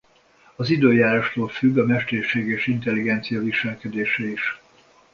Az időjárástól függ a mesterséges intelligencia viselkedése is.